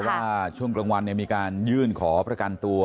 ว่าช่วงกลางวันมีการยื่นขอประกันตัว